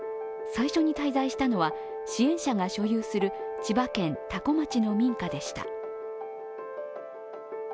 最初に滞在したのは、支援者が所有する千葉県多古町の民家でした。